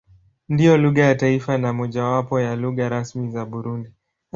Ndiyo lugha ya taifa na mojawapo ya lugha rasmi za Burundi.